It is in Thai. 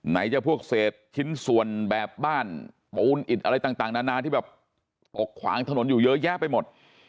จะพวกเศษชิ้นส่วนแบบบ้านปูนอิดอะไรต่างนานาที่แบบตกขวางถนนอยู่เยอะแยะไปหมด